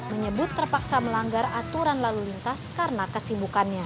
menyebut terpaksa melanggar aturan lalu lintas karena kesibukannya